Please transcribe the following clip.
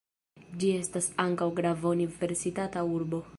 Ĝi estas ankaŭ grava universitata urbo.